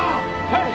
はい！